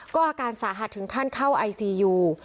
ก็อาการสาหัสถึงท่านเข้าวิทยาคม